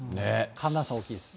寒暖差大きいです。